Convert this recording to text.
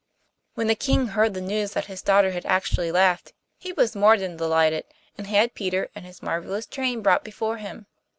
When the King heard the news that his daughter had actually laughed, he was more than delighted, and had Peter and his marvellous train brought before him.